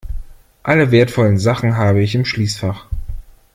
Alle wertvollen Sachen habe ich im Schließfach.